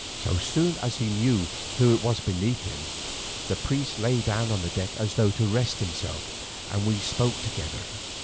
So soon as he knew who it was beneath him, the priest lay down on the deck as though to rest himself, and we spoke together.